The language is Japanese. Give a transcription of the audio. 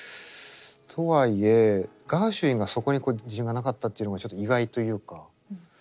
とはいえガーシュウィンがそこに自信がなかったというのがちょっと意外というか。